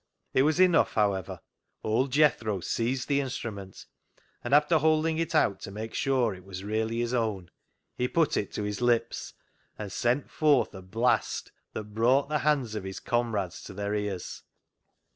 It was enough, however. Old Jethro seized the instrument, and after holding it out to make sure it was really his own, he put it to his lips THE KNOCKER UP 159 and sent forth a blast that brought the hands of his comrades to their ears.